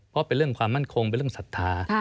เพราะเป็นเรื่องความมั่นคงเป็นเรื่องศรัทธา